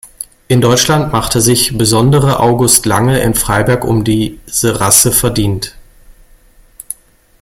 In Deutschland machte sich besondere August Lange in Freiberg um diese Rasse verdient.